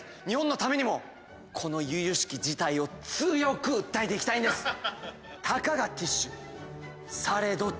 日本のためにもこの由々しき事態を強く訴えていきたいんです。